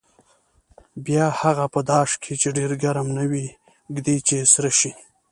بیا هغه په داش کې چې ډېر ګرم نه وي ږدي چې سره شي.